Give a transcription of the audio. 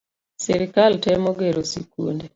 Sirkal temo gero sikunde